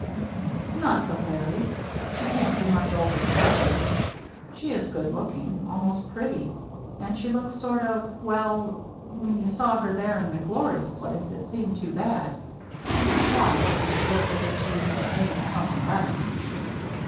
" Not so very. She can't be much older than Beveridge. She is good looking — al most pretty. And she looks sort of — well, when you saw her there in McGlory's place, it seemed too bad. She was quiet, and she looked as if she was made for something better."